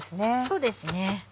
そうですね。